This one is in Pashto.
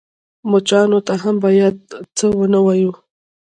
_مچانو ته هم بايد څه ونه وايو.